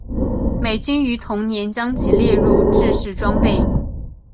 美军于同年将其列入制式装备。